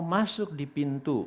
masuk di pintu